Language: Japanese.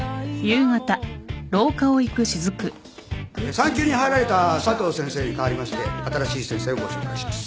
産休に入られた佐藤先生に代わりまして新しい先生をご紹介します。